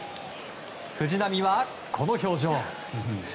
藤浪は、この表情。